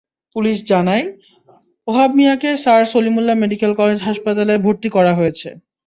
Police জানায়, ওহাব মিয়াকে sir Salimullah medical college হাসপাতালে ভর্তি করা হয়েছে।